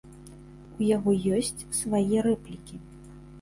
У яго ёсць свае рэплікі.